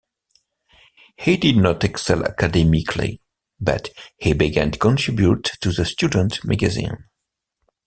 He did not excel academically, but he began to contribute to the student magazine.